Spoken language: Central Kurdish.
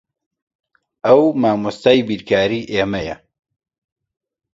ئەو مامۆستای بیرکاریی ئێمەیە.